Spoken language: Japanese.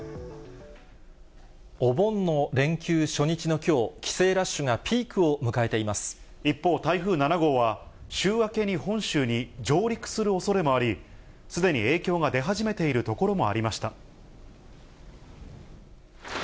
お盆の連休初日のきょう、週明けに本州に上陸するおそれもあり、すでに影響が出始めている所もありました。